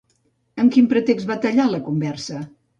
Amb quin pretext va tallar la conversa?